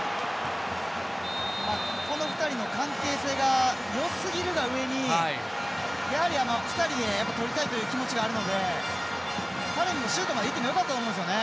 この２人の関係性がよすぎるがゆえにやはり、２人でとりたいという気持ちがあるのでタレミもシュートまで一気にいってもよかったと思うんですよね。